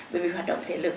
bởi vì hoạt động thể lực